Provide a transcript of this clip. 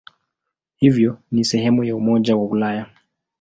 Hivyo ni sehemu ya Umoja wa Ulaya.